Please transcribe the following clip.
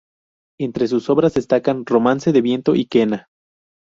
Entre sus obras destacan "Romance de viento y quena".